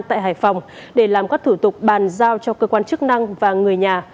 tại hải phòng để làm các thủ tục bàn giao cho cơ quan chức năng và người nhà